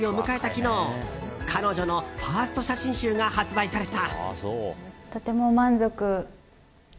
昨日彼女のファースト写真集が発売された。